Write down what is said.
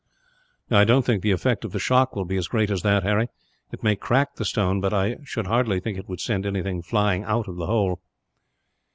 "I don't think the effect of the shock will be as great as that, Harry. It may crack the stone, but I should hardly think it would send anything flying out of the hole."